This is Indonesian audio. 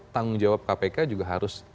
tanggung jawab kpk juga harus